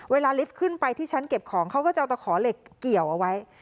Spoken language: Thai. ลิฟต์ขึ้นไปที่ชั้นเก็บของเขาก็จะเอาตะขอเหล็กเกี่ยวเอาไว้